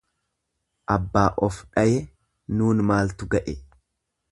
Abbaa of dhaye nuun maaltu ga'e.